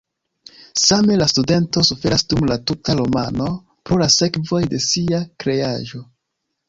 Same la studento suferas dum la tuta romano pro la sekvoj de sia kreaĵo.